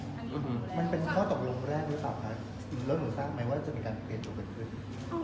มันเป็นข้อตกลงแรกหรือเปล่าคะจริงแล้วหนูทราบไหมว่าจะมีการเปลี่ยนตัวเกิดขึ้น